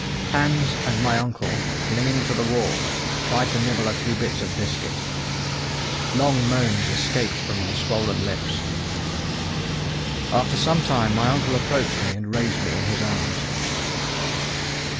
Hans and my uncle, clinging to the wall, tried to nibble a few bits of biscuit. Long moans escaped from my swollen lips. After some time my uncle approached me and raised me in his arms.